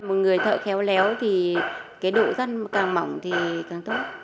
một người thợ khéo léo thì cái độ răn càng mỏng thì càng tốt